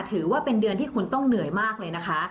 ถือว่าเป็นเดือนที่คุณต้องเหนื่อยมากเลยนะคะ